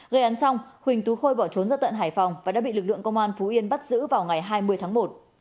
gây án xong huỳnh tú khôi bỏ trốn ra tận hải phòng và đã bị lực lượng công an phú yên bắt giữ vào ngày hai mươi tháng một